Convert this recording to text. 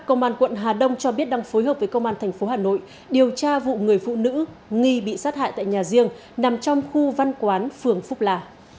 công an quận hà đông cho biết đang phối hợp với công an thành phố hà nội điều tra vụ người phụ nữ nghi bị sát hại tại nhà riêng nằm trong khu văn quán phường phúc là